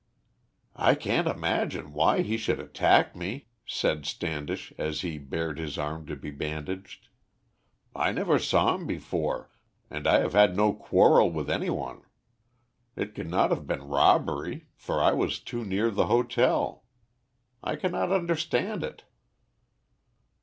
"I can't imagine why he should attack me," said Standish, as he bared his arm to be bandaged. "I never saw him before, and I have had no quarrel with any one. It could not have been robbery, for I was too near the hotel. I cannot understand it."